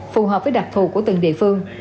phù hợp với đặc thù của từng địa phương